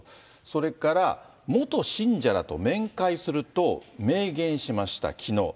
それから、元信者らと面会すると明言しました、きのう。